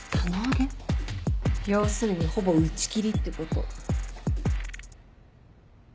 要するにほぼ打ち切りってこと。